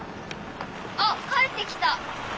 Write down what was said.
あっ帰ってきた。